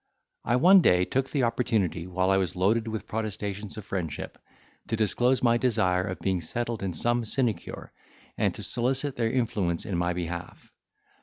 I one day took the opportunity, while I was loaded with protestations of friendship, to disclose my desire of being settled in some sinecure, and to solicit their influence in my behalf.